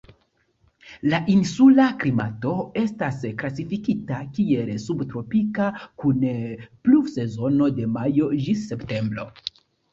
La insula klimato estas klasifikita kiel subtropika, kun pluvsezono de majo ĝis septembro.